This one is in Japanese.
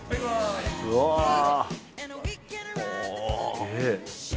・すげえ。